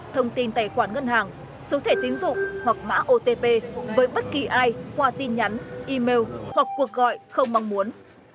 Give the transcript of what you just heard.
thông tin tài khoản ngân hàng số thể tín dụng hoặc mã otp với bất kỳ ai qua tin nhắn email hoặc cuộc gọi không mong muốn